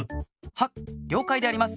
はっりょうかいであります。